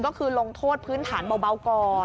ก็คือลงโทษพื้นฐานเบาก่อน